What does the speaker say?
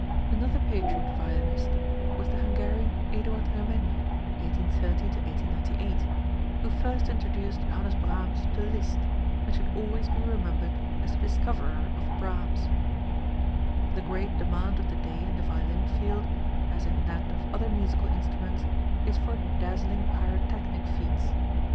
Another patriot violinist was the Hungarian Eduard Remenyi (1830 1898), who first introduced Johannes Brahms to Liszt, and should always be remembered as the discoverer of Brahms. The great demand of the day in the violin field, as in that of other musical instruments, is for dazzling pyrotechnic feats.